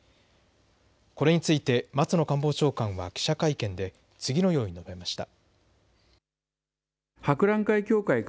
これについて松野官房長官は記者会見で次のように述べました。